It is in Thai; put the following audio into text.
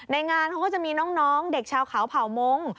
งานเขาก็จะมีน้องเด็กชาวเขาเผ่ามงค์